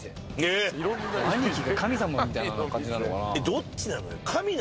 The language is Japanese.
どっちなのよ。